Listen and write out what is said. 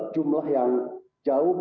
jumlah yang jauh